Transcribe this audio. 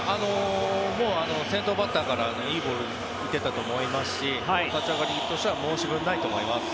先頭バッターからいいボールが行っていたと思いますし立ち上がりとしては申し分ないと思います。